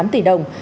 bảy tám tỷ đồng